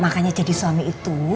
makanya jadi suami itu